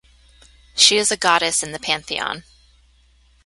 She is a goddess in the pantheon.